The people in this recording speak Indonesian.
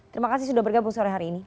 terima kasih sudah bergabung sore hari ini